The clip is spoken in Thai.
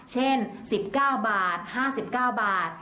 เช่น๑๙บาท๕๙บาท